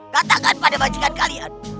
katakan pada bajikan kalian